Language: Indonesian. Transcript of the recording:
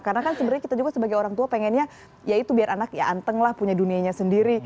karena kan sebenarnya kita juga sebagai orang tua pengennya ya itu biar anak ya anteng lah punya dunianya sendiri